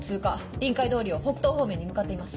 臨海通りを北東方面に向かっています。